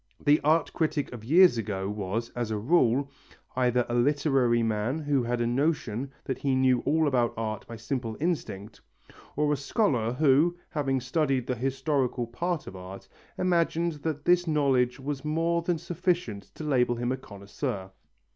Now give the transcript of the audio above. The art critic of years ago was, as a rule, either a literary man who had a notion that he knew all about art by simple instinct, or a scholar who, having studied the historical part of art, imagined that this knowledge was more than sufficient to label him a connoisseur.